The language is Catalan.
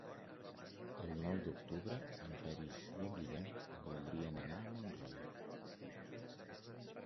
El nou d'octubre en Peris i en Guillem voldrien anar a Montroi.